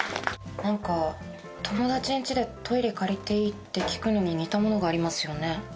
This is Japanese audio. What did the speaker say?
何か友達ん家で「トイレ借りていい？」って聞くのに似たものがありますよね。